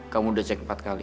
kamu udah cek empat kali